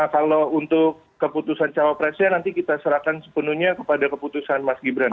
kalau untuk keputusan cawapresnya nanti kita serahkan sepenuhnya kepada keputusan mas gibran